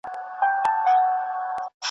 ¬ د خوار ملا په اذان څوک روژه نه ماتوي.